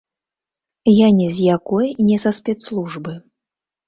Я ні з якой не са спецслужбы.